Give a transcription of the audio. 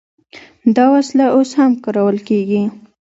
دا وسله اوس هم کارول کیږي.